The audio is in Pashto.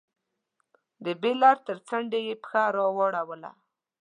د بېلر تر څنډې يې پښه واړوله.